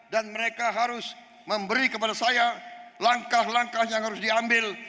dan mereka harus memberi kepada saya langkah langkah yang harus diambil